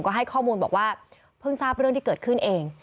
ก็ให้ข้อมูลบอกว่าเพิ่งทราบเรื่องที่เกิดขึ้นเอง